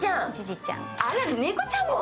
あらっ、猫ちゃんも？